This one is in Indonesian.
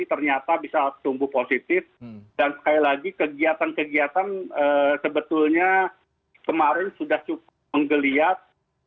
ternyata bisa tumbuh positif dan sekali lagi kegiatan kegiatan sebetulnya kemarin sudah cukup menggeliat